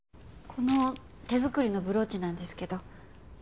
この手作りのブローチなんですけど。